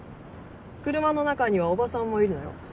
車の中にはおばさんもいるのよ。